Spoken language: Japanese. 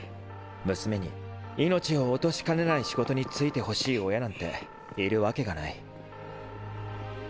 娘に命を落としかねない仕事に就いてほしい親なんているわけがない。